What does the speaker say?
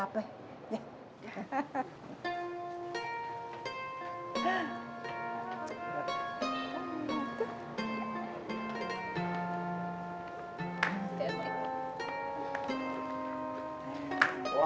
ah pake bb nya